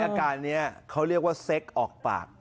อาการนี้เขาเรียกว่าเซ็กออกปาก